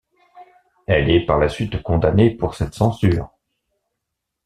Elle est par la suite condamnée pour cette censure.